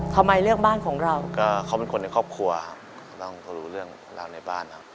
ทำไมเลือกบ้านของเราก็เขาเป็นคนในครอบครัวครับต้องรู้เรื่องราวในบ้านครับ